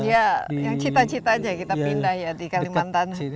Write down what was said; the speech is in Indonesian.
ya yang cita cita aja kita pindah ya di kalimantan